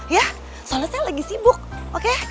ya soalnya saya lagi sibuk oke